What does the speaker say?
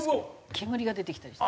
煙が出てきたりして。